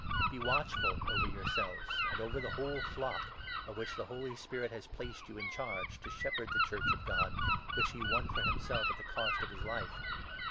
Be watchful over yourselves, and over the 28 whole flock, of which the Holy Spirit has placed you in charge, to shepherd the Church of God, which he won for himself at the cost of his life.